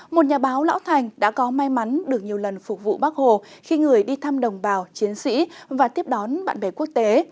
một nhà báo lão thành đã có may mắn được nhiều lần phục vụ bác hồ khi người đi thăm đồng bào chiến sĩ và tiếp đón bạn bè quốc tế